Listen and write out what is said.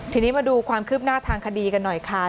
ทีนี้มาดูความครึบหน้าทางคดีน่าค่ะ